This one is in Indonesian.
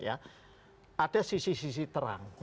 ada sisi sisi terang